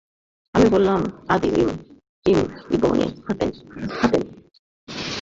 আমি বললাম, আদী ইবনে হাতেম।